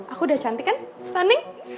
aku udah cantik kan stunning